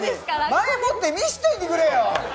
前もって見せておいてくれよ！